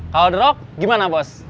kalau derog gimana bos